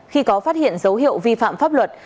khi có phát hiện dấu hiệu vi phạm pháp luật